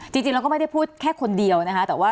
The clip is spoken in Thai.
จริงแล้วก็ไม่ได้พูดแค่คนเดียวนะคะ